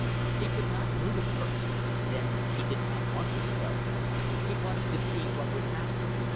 He could not move at first then he did not want to stir. He wanted to see what would happen.